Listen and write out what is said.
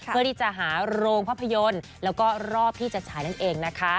เพื่อที่จะหาโรงภาพยนตร์แล้วก็รอบที่จะฉายนั่นเองนะคะ